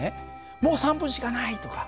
「もう３分しかない！」とか。